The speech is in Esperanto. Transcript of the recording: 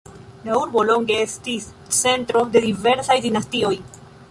La urbo longe estis centro de diversaj dinastioj.